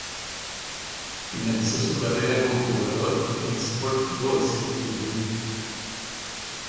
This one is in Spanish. Finalizó su carrera como jugador en Sport Boys de Perú.